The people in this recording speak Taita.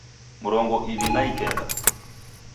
Mrongo iw'i na ikenda